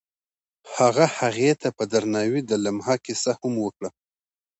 هغه هغې ته په درناوي د لمحه کیسه هم وکړه.